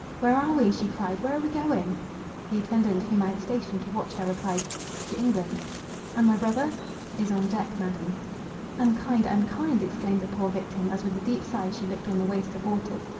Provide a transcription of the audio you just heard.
—"Where are we?" she cried, "where are we going?"— The attendant whom I had stationed to watch her, replied, "to England."— "And my brother?"— "Is on deck, Madam." "Unkind! unkind!" exclaimed the poor victim, as with a deep sigh she looked on the waste of waters.